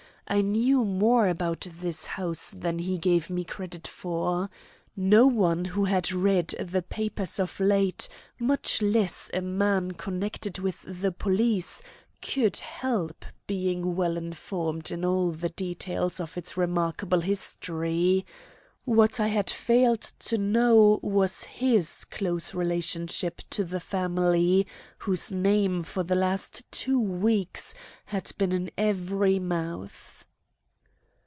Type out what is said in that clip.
I knew more about this house than he gave me credit for. No one who had read the papers of late, much less a man connected with the police, could help being well informed in all the details of its remarkable history. What I had failed to know was his close relationship to the family whose name for the last two weeks had been in every mouth.